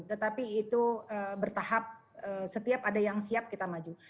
tetapi itu bertahap setiap ada yang siap kita maju